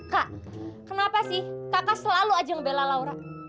kak kenapa sih kakak selalu aja ngebela laura